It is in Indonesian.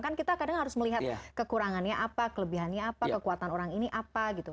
kan kita kadang harus melihat kekurangannya apa kelebihannya apa kekuatan orang ini apa gitu